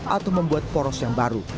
atau membuat poros yang baru